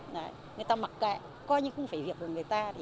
người ta mặc kệ coi như cũng phải việc của người ta